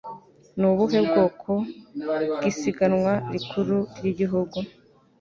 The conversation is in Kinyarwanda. Ni ubuhe bwoko bw'isiganwa rikuru ryigihugu?